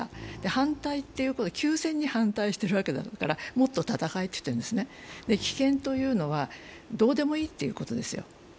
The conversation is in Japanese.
反対ということは休戦に反対しているわけだから、もっと戦えといっているんですね、棄権というのはどうでもいいということですよ